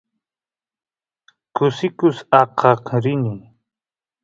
kusikus aqaq rini